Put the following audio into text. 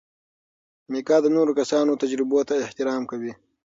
میکا د نورو کسانو تجربو ته احترام کوي.